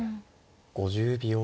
５０秒。